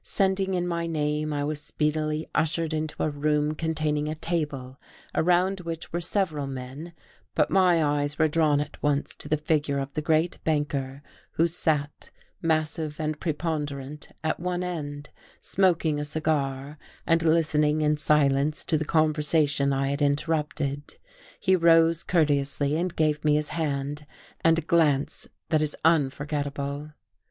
Sending in my name, I was speedily ushered into a room containing a table, around which were several men; but my eyes were drawn at once to the figure of the great banker who sat, massive and preponderant, at one end, smoking a cigar, and listening in silence to the conversation I had interrupted. He rose courteously and gave me his hand, and a glance that is unforgettable.